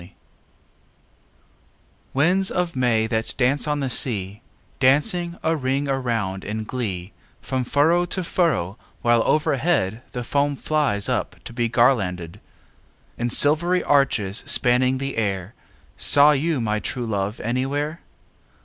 IX Winds of May, that dance on the sea, Dancing a ring around in glee From furrow to furrow, while overhead The foam flies up to be garlanded, In silvery arches spanning the air, Saw you my true love anywhere?